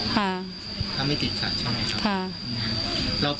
ถ้าไม่ติดขัดใช่ไหมครับ